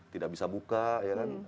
tidak bisa buka ya kan